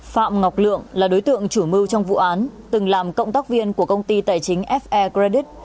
phạm ngọc lượng là đối tượng chủ mưu trong vụ án từng làm cộng tác viên của công ty tài chính fe credit